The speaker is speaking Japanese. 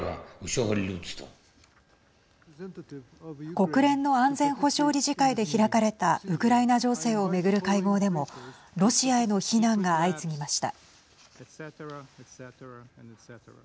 国連の安全保障理事会で開かれたウクライナ情勢を巡る会合でもロシアへの非難が相次ぎました。